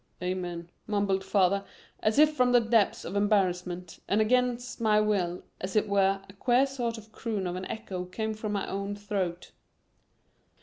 "Amen," mumbled father as if from the depths of embarrassment, and against my will, as it were, a queer sort of a croon of an echo came from my own throat.